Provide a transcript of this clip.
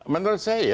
menurut saya ya